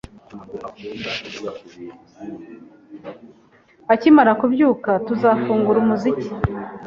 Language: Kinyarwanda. Akimara kubyuka, tuzafungura umuziki.